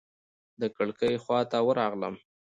د کړکۍ خواته ورغلم.